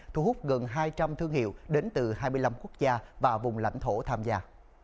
thu hút gần hai trăm linh thương hiệu đến từ hai mươi năm quốc gia và vùng lãnh thổ tham gia